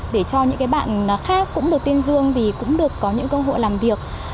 để cho những bạn khác cũng được tiên dương cũng được có những cơ hội làm việc